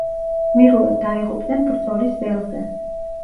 გმირულად დაიღუპნენ ბრძოლის ველზე.